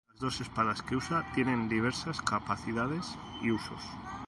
Las dos espadas que usa tienen diversas capacidades y usos.